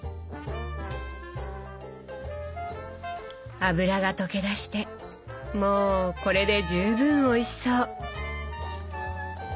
脂が溶け出してもうこれで十分おいしそう！